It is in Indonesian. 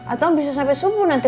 atau bisa sampai subuh nanti